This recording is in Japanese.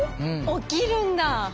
起きるんだ。